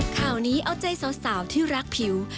ข่าวนี้เอาใจสาวที่รักผิว